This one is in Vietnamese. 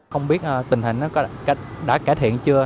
không biết tình hình đã cải thiện chưa